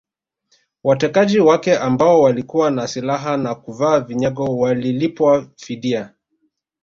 Watekaji wake ambao walikuwa na silaha na kuvaa vinyago walilipwa fidia